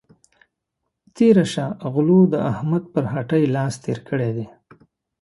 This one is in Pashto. تېره شه غلو د احمد پر هټۍ لاس تېر کړی دی.